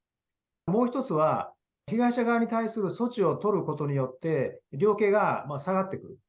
もう１つは被害者側に対する措置を取ることによって、量刑が下がってくる。